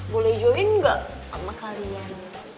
boleh join nggak sama kalian